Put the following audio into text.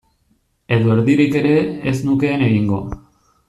Edo erdirik ere ez nukeen egingo.